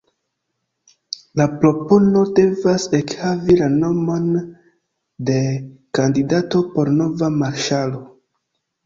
La propono devas ekhavi la nomon de kandidato por nova marŝalo.